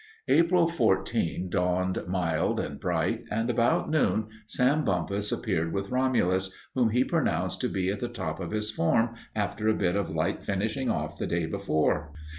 April 14th dawned mild and bright, and about noon Sam Bumpus appeared with Romulus, whom he pronounced to be at the top of his form after a bit of light finishing off the day before.